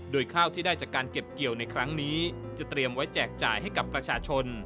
โดยข้าวที่ได้จากการเก็บเกี่ยวในครั้งนี้จะเตรียมไว้แจกจ่ายให้กับประชาชน